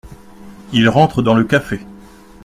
Il rentre dans le café.